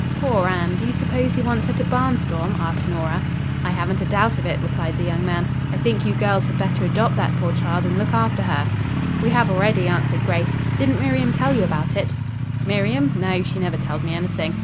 "Poor Anne! Do you suppose he wants her to barnstorm?" asked Nora. "I haven't a doubt of it," replied the young man. "I think you girls had better adopt that poor child and look after her." "We have already," answered Grace. "Didn't Miriam tell you about it?" "Miriam? No; she never tells me anything.